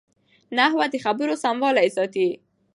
نحوه د خبرو سموالی ساتي.